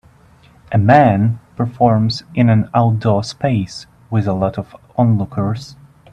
A man performs in an outdoor space, with a lot of onlookers.